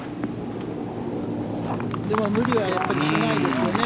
でも無理はやっぱりしないですよね。